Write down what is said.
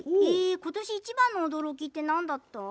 ことしいちばんの驚きってなんだった？